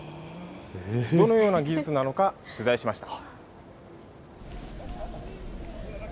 どのような技術なのか取材しました。